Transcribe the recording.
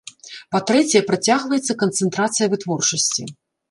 Па-трэцяе, працягваецца канцэнтрацыя вытворчасці.